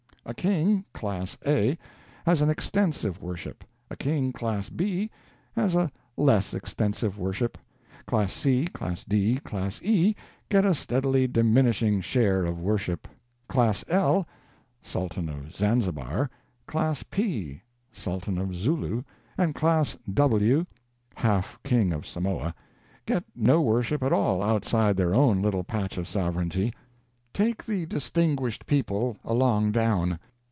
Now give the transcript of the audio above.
A king, class A, has an extensive worship; a king, class B, has a less extensive worship; class C, class D, class E get a steadily diminishing share of worship; class L (Sultan of Zanzibar), class P (Sultan of Sulu), and class W (half king of Samoa), get no worship at all outside their own little patch of sovereignty. Take the distinguished people along down.